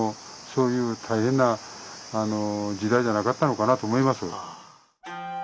そういう大変な時代じゃなかったのかなと思います。